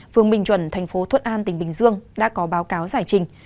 phường bình chuẩn thành phố thuận an tỉnh bình dương đã có báo cáo giải trình